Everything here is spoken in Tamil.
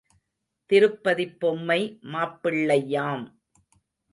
திருப்பதிப் பொம்மை மாப்பிள்ளையாம்.